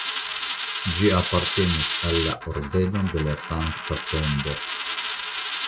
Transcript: Ĝi apartenis al la Ordeno de la Sankta Tombo.